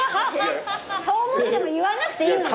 そう思っても言わなくていいのに。